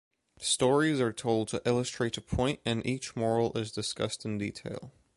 Stories are told to illustrate a point and each moral is discussed in detail.